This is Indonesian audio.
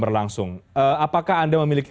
berlangsung apakah anda memiliki